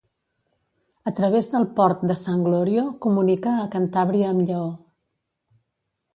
A través del Port de Sant Glorio, comunica a Cantàbria amb Lleó.